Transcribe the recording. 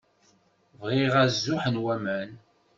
Bɣiɣ azuḥ n waman.